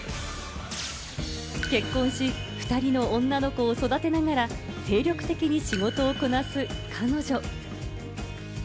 結婚し、２人の女の子を育てながら精力的に仕事をこなす彼女。